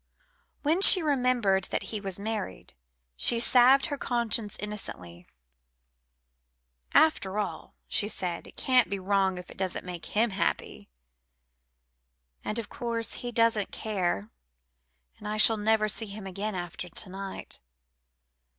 When she remembered that he was married, she salved her conscience innocently. "After all," she said, "it can't be wrong if it doesn't make him happy; and, of course, he doesn't care, and I shall never see him again after to night."